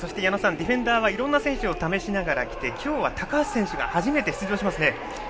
ディフェンダーはいろんな選手を試しながらきて今日は高橋選手が初めて出場しますね。